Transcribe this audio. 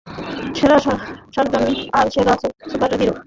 সেরা সার্জন আর সেরা সুপারহিরো।